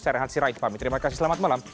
saya rehan sirai terima kasih selamat malam